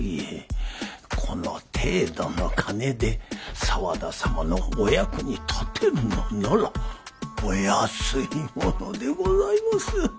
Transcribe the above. この程度の金で沢田様のお役に立てるのならお安いものでございます。